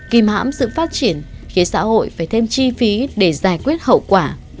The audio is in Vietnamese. kìm hãm sự phát triển khiến xã hội phải thêm chi phí để giải quyết hậu quả